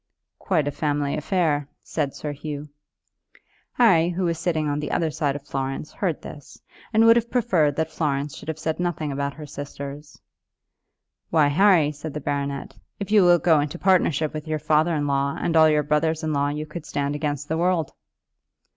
"Quite a family affair," said Sir Hugh. Harry, who was sitting on the other side of Florence, heard this, and would have preferred that Florence should have said nothing about her sisters. "Why, Harry," said the baronet, "if you will go into partnership with your father in law and all your brothers in law you could stand against the world."